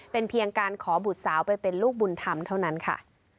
เป็นเพียงการขอบุตรสาวไปเป็นลูกบุญธรรมเท่านั้นค่ะ